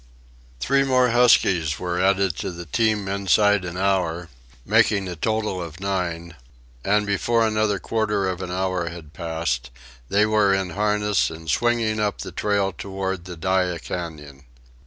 Three more huskies were added to the team inside an hour, making a total of nine, and before another quarter of an hour had passed they were in harness and swinging up the trail toward the Dyea Cañon.